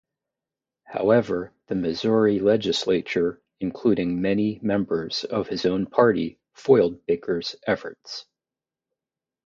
However, the Missouri legislature, including many members of his own party, foiled Baker's efforts.